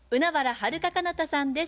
はるか・かなたさんです。